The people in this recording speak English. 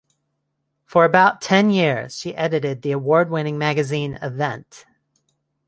For about ten years she edited the award-winning magazine "Event".